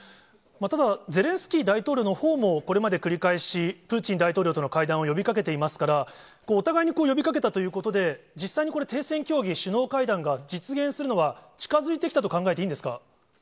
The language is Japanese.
ただ、ゼレンスキー大統領のほうもこれまで繰り返し、プーチン大統領との会談を呼びかけていますから、お互いに呼びかけたということで、実際にこれ、停戦協議、首脳会談が実現するのは近づいてきたと考えていいんですか。